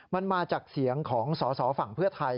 มันมาจากเสียงของสอสอฝั่งเพื่อไทย